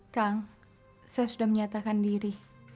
kang saya sudah menyatakan diri